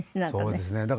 そうですね。